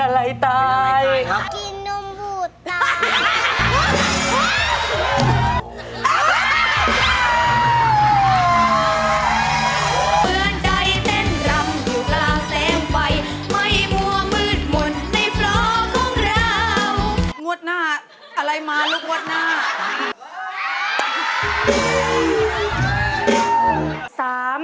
ลูกวดหน้าอะไรมาลูกวดหน้า